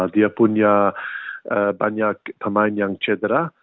dia punya banyak pemain yang cedera